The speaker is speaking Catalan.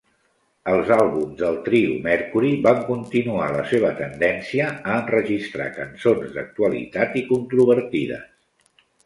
Els àlbums del trio Mercury van continuar la seva tendència a enregistrar cançons d'actualitat i controvertides.